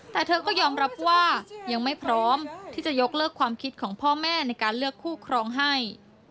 แต่เธอก็ยอมรับว่ายังไม่พร้อมที่จะยกเลิกความคิดของพ่อแม่ในการเลือกคู่ครองให้